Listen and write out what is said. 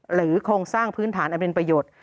โครงสร้างพื้นฐานอันเป็นประโยชน์